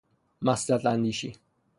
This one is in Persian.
مصلحت اندیشی